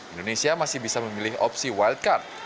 indonesia masih bisa memilih opsi wildcard